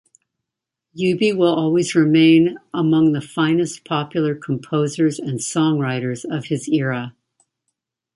Eubie will always remain among the finest popular composers and songwriters of his era.